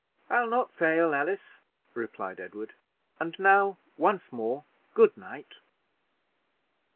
"I'll not fail, Alice," replied Edward, "and now once more good night."